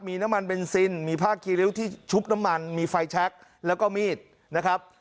มีน้ำมันเบนซินมีผ้าคีริ้วที่ชุบน้ำมันมีไฟแช็คแล้วก็มีดนะครับ